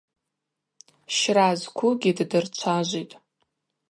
Щра зквугьи ддырчважвитӏ.